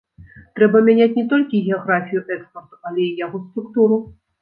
Трэба мяняць не толькі геаграфію экспарту, але і яго структуру.